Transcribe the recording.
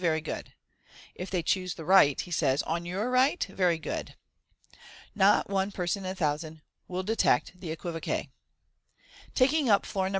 Very good !" If they choose " the right," he says, " On your right ? Very good !" Not one person in a thousand will detect the equivoque. Taking up florin No.